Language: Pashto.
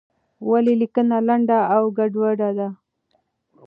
ولې لیکنه لنډه او ګډوډه ده؟